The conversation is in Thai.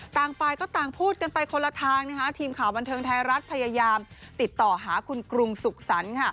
ต่างฝ่ายก็ต่างพูดกันไปคนละทางนะคะทีมข่าวบันเทิงไทยรัฐพยายามติดต่อหาคุณกรุงสุขสรรค์ค่ะ